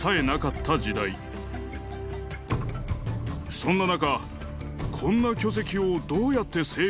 そんな中。